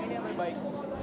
oke ini yang paling baik